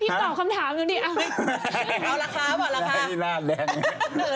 พี่ตอบคำถามนึงดิ